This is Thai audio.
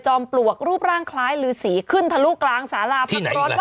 จอมปลวกรูปร่างคล้ายหรือสีขึ้นทะลุกลางสาราพักร้อนวัดตังค์